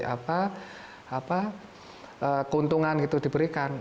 apa keuntungan itu diberikan